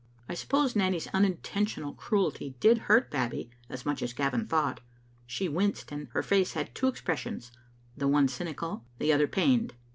I suppose Nanny's unintentional cruelty did hurt Babbie as much as Gavin thought. She winced, and her face had two expressions, the one cynical, the other pained.